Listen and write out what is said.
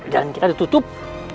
jalan kita ditutup